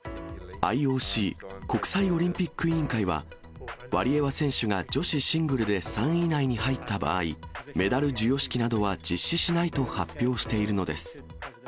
ＩＯＣ・国際オリンピック委員会は、ワリエワ選手が女子シングルで３位以内に入った場合、メダル授与式などは実施しないと発表しているのです。